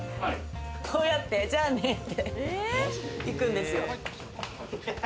こうやって、じゃあねって行くんですよ。